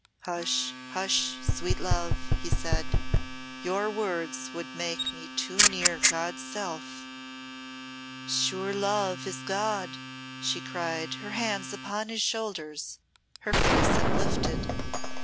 '" "Hush, hush, sweet love," he said. "Your words would make me too near God's self." "Sure Love is God," she cried, her hands upon his shoulders, her face uplifted.